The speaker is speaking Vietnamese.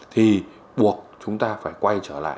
thì buộc chúng ta phải quay trở lại